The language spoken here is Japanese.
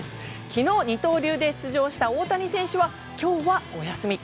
昨日二刀流で出場した大谷選手は今日は、お休み。